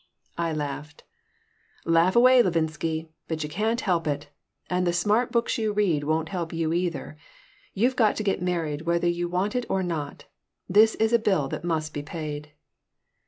I laughed "Laugh away, Levinsky. But you can't help it. And the smart books you read won't help you, either. You've got to get married whether you want it or not. This is a bill that must be paid."